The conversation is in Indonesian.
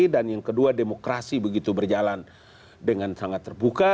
dan yang kedua demokrasi begitu berjalan dengan sangat terbuka